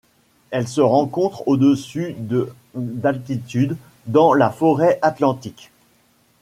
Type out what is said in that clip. Elle se rencontre au-dessus de d'altitude dans la forêt atlantique.